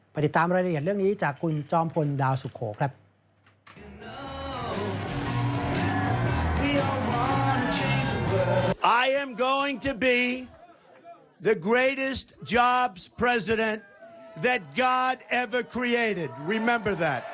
ติดตามรายละเอียดเรื่องนี้จากคุณจอมพลดาวสุโขครับ